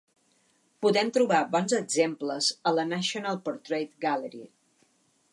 Podem trobar bons exemples a la National Portrait Gallery.